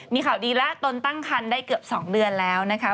มีข่าวดีแล้วตนตั้งคันได้เกือบ๒เดือนแล้วนะคะ